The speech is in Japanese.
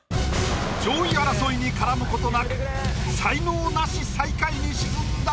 上位争いに絡む事なく才能ナシ最下位に沈んだのは⁉